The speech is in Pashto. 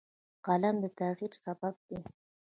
قلم د تغیر سبب دی